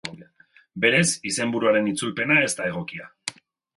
Berez, izenburuaren itzulpena ez da egokia.